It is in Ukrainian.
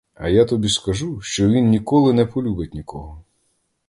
А я тобі скажу, що він ніколи не полюбить нікого.